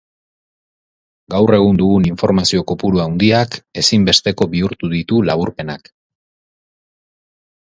Gaur egun dugun informazio kopuru handiak ezinbesteko bihurtu ditu laburpenak.